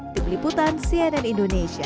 di peliputan cnn indonesia